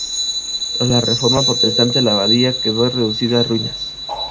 Tras la Reforma Protestante, la abadía quedó reducida a ruinas.